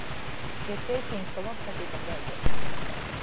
Ir teicīņs, ka lobs atīt ar gaideišonu...